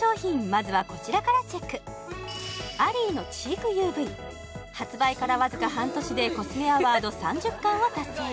まずはこちらからチェックＡＬＬＩＥのチークＵＶ発売からわずか半年でコスメアワード３０冠を達成